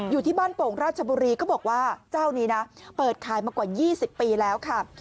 อยู่ที่บ้านโป่งราชบุรีเขาบอกว่าเจ้านี้นะเปิดขายมากว่า๒๐ปีแล้วค่ะ